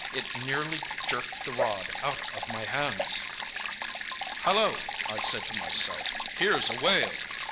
It nearly jerked the rod out of my hands! "'Hallo!' I said to myself, 'here's a whale!